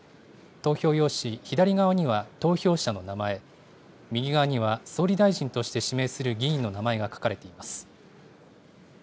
投票用紙左側には投票者の名前、右側には総理大臣として指名する議員の名前が書かれています。